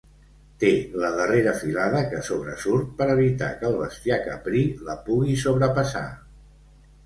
Té la darrera filada que sobresurt per evitar que el bestiar caprí la pugui sobrepassar.